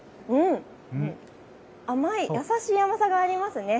甘い、優しい甘さがありますね。